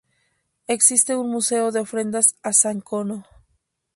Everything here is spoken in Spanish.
Existe un Museo de Ofrendas a San Cono.